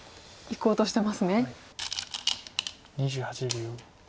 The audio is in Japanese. ２８秒。